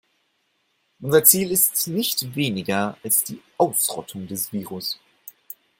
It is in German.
Unser Ziel ist nicht weniger als die Ausrottung des Virus.